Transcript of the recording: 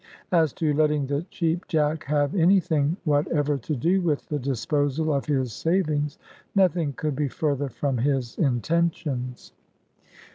As to letting the Cheap Jack have any thing whatever to do with the disposal of his savings, nothing could be further from his intentions.